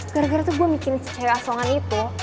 gara gara tuh gue mikirin cewek asongan itu